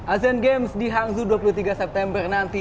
asean games di hangzhou dua puluh tiga september nanti